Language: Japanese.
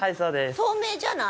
透明じゃない。